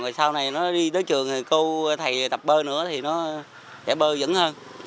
rồi sau này nó đi tới trường cô thầy tập bơi nữa thì nó sẽ bơi dẫn hơn